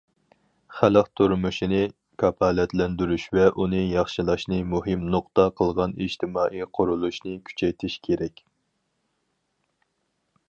خەلق تۇرمۇشىنى كاپالەتلەندۈرۈش ۋە ئۇنى ياخشىلاشنى مۇھىم نۇقتا قىلغان ئىجتىمائىي قۇرۇلۇشنى كۈچەيتىش كېرەك.